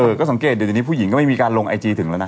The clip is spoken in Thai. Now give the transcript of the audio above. ก็สังเกตเดี๋ยวนี้ผู้หญิงก็ไม่มีการลงไอจีถึงแล้วนะ